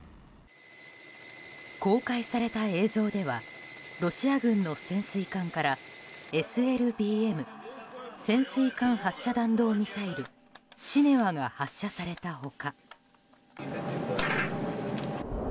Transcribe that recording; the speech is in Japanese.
公開された映像ではロシア軍の潜水艦からＳＬＢＭ・潜水艦発射弾道ミサイルシネワが発射された他。